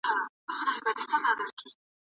ایا د دښتې ژوند به کله د لښتې لپاره اسانه شي؟